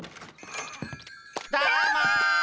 どうも。